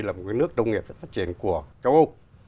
là một nước nông nghiệp rất phát triển của châu âu